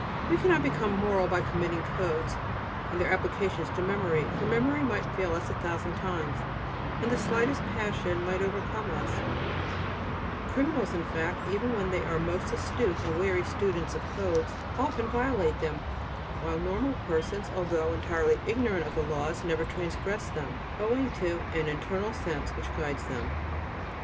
We cannot become moral by committing codes and their applications to memory, for memory might fail us a thousand times, and the slightest passion might overcome us; criminals, in fact, even when they are most astute and wary students of codes, often violate them; while normal persons, although entirely ignorant of the laws, never transgress them, owing to "an internal sense which guides them."